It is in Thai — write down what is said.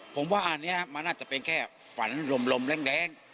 ผมว่าอันนี้มันน่าจะเป็นแค่ฝันลมแรง